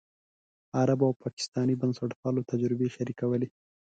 عربو او پاکستاني بنسټپالو تجربې شریکولې.